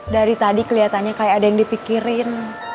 dari tadi kelihatannya kayak ada yang dipikirin